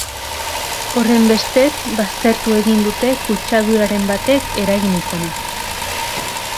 Horrenbestez, baztertu egin dute kutsaduraren batek eragin izana.